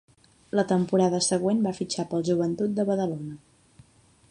La temporada següent va fitxar pel Joventut de Badalona.